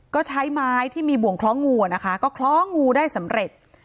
ก็ใช้ไม้ที่มีบ่วงคล้องงูนะคะก็คล้องงูได้สำเร็จ